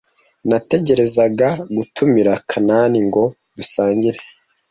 Natekerezaga gutumira Kanani ngo dusangire.